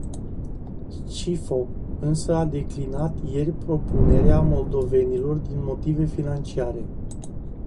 Scifo însă a declinat ieri propunerea moldovenilor, din motive financiare.